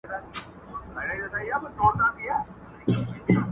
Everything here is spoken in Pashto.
ولاړم د جادو له ښاره نه سپینیږي زړه ورته٫